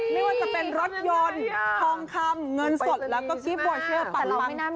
ไม่ว่าจะเป็นรถยนต์ทองคำเงินสดแล้วก็กิฟต์วอเชอร์ปัง